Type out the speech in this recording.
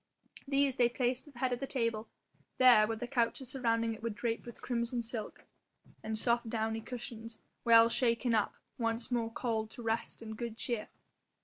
These they placed at the head of the table, there, where the couches surrounding it were draped with crimson silk, and soft downy cushions, well shaken up, once more called to rest and good cheer.